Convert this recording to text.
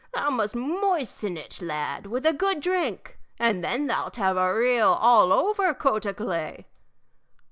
Thou must moisten it, lad, with a good drink, and then thou 'lt have a real all over coat o' clay."